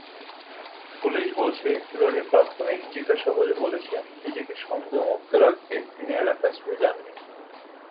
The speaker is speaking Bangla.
পুলিশ বলছে, রনি প্রাথমিক জিজ্ঞাসাবাদে বলেছেন নিজেকে সন্দেহমুক্ত রাখতে তিনি এলাকা ছেড়ে যাননি।